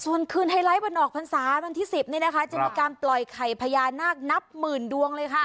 ส่วนคืนไฮไลท์วันออกพรรษาวันที่๑๐นี่นะคะจะมีการปล่อยไข่พญานาคนับหมื่นดวงเลยค่ะ